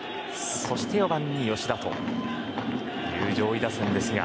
そして４番に吉田という上位打線ですが。